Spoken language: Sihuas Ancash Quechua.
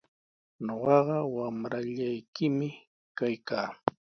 Ñuqaqa wamrallaykimi kaykaa.